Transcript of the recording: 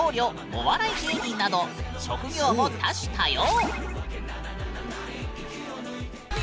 お笑い芸人など職業も多種多様。